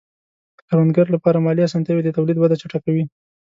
د کروندګرو لپاره مالي آسانتیاوې د تولید وده چټکوي.